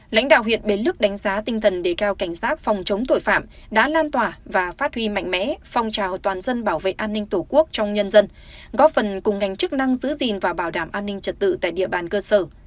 lãnh đạo huyện bến lức đánh giá tinh thần đề cao cảnh giác phòng chống tội phạm đã lan tỏa và phát huy mạnh mẽ phong trào toàn dân bảo vệ an ninh tổ quốc trong nhân dân góp phần cùng ngành chức năng giữ gìn và bảo đảm an ninh trật tự tại địa bàn cơ sở